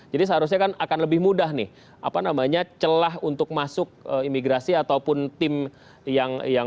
jadi seharusnya akan lebih mudah nih apa namanya celah untuk masuk imigrasi ataupun tim yang yang